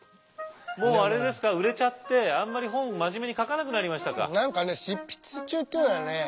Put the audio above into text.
もうあれですか売れちゃってあんまり本真面目に書かなくなりましたか？